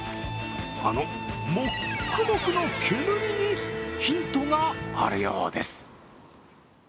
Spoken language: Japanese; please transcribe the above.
あの、もっくもくの煙にヒントがあるようです。